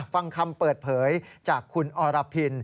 ฟังคำเปิดเผยจากคุณอรพิน